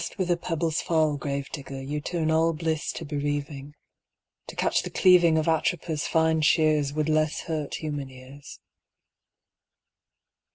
Just with a pebble's fall, Grave digger, you turn allBliss to bereaving; To catch the cleavingOf Atropa's fine shearsWould less hurt human ears.